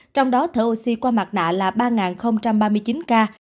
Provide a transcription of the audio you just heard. trong đó thở oxy qua mặt nạ là ba ba mươi chín ca